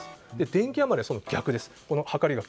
電気余りはその逆です。